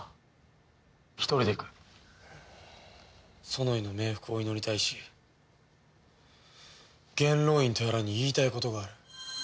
ソノイの冥福を祈りたいし元老院とやらに言いたいことがある。